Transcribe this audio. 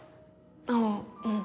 ああうん。